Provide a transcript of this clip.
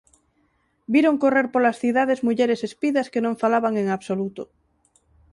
Viron correr polas cidades mulleres espidas que non falaban en absoluto.